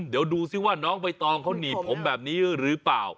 เดี๋ยวดูสิว่าน้องใบตองเขาหนีบผมแบบนี้หรือเปล่า